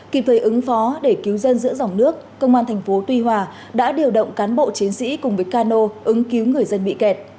kịp thời ứng phó để cứu dân giữa dòng nước công an thành phố tuy hòa đã điều động cán bộ chiến sĩ cùng với cano ứng cứu người dân bị kẹt